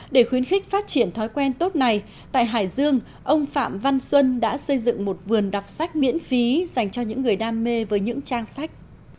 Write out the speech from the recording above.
để khuyến khích phát triển thói quen tốt này tại hải dương ông phạm văn xuân đã xây dựng một vườn đọc sách miễn phí dành cho những người đam mê với những trang sách